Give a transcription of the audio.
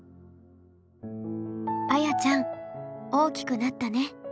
「あやちゃん大きくなったね。